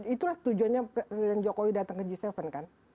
itulah tujuannya presiden jokowi datang ke g tujuh kan